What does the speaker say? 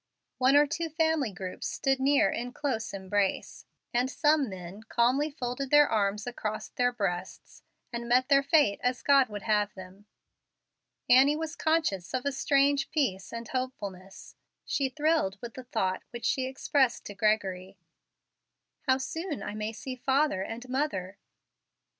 One or two family groups stood near in close embrace, and some men calmly folded their arms across their breasts, and met their fate as God would have them. Annie was conscious of a strange peace and hopefulness. She thrilled with the thought which she expressed to Gregory "How soon I may see father and mother!"